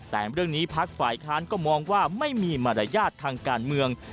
แต่เรื่องนี้พักฝ่ายค้านก็มองว่าไม่มีมารยาททางการเมือง